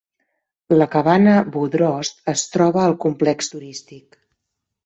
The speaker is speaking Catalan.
La cabana Bodrost es troba al complex turístic.